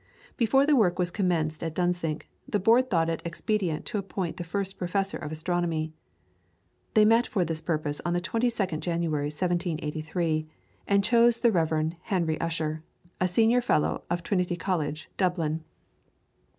Before the work was commenced at Dunsink, the Board thought it expedient to appoint the first Professor of Astronomy. They met for this purpose on the 22nd January, 1783, and chose the Rev. Henry Ussher, a Senior Fellow of Trinity College, Dublin.